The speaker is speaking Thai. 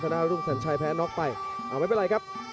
สนานรุ่งสัญชัยแพ้นอกไปอ้าวไม่เป็นไรครับ